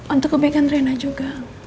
untuk kebaikan rena juga